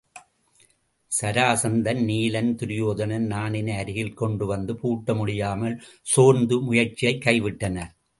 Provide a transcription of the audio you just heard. சராசந்தன், நீலன், துரியோதனன் நாணினை அருகில் கொண்டு வந்து பூட்ட முடியாமல் சோர்ந்து முயற்சியைக் கைவிட்டனர்.